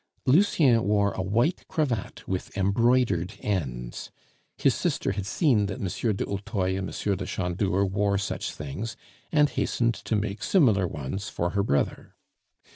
Lucien wore a white cravat with embroidered ends; his sister had seen that M. du Hautoy and M. de Chandour wore such things, and hastened to make similar ones for her brother.